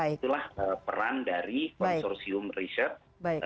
itulah peran dari konsorsium riset